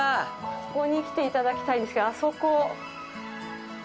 ここに来ていただきたいんですけどあそこ。